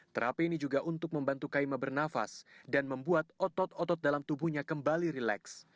terapi ini juga untuk membantu kaima bernafas dan membuat otot otot dalam tubuhnya kembali rileks